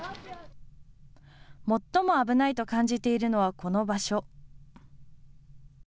最も危ないと感じているのはこの場所。